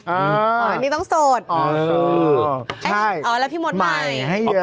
โอ้นี่ต้องสดอ๋อหรือใช่เอาละพี่หมดใหม่ให้เยอะ